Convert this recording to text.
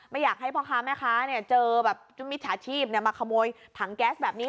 อยากให้พ่อค้าแม่ค้าเจอแบบมิจฉาชีพมาขโมยถังแก๊สแบบนี้